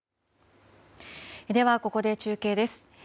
では、ここで中継です。